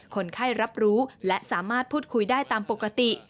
คนไข้รับรู้และสามารถพูดคุยได้ตามปกติ